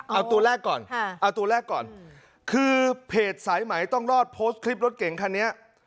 เอาตัวแรกก่อนเอาตัวแรกก่อนคือเพจสายไหมต้องรอดโพสต์คลิปรถเก่งคันนี้